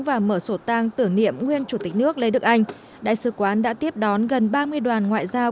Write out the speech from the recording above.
và mở sổ tăng tử niệm nguyên chủ tịch nước lê đức anh đại sứ quán đã tiếp đón gần ba mươi đoàn ngoại giao